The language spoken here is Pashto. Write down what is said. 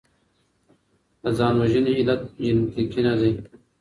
د ځان وژني علت جنيټيکي نه دی.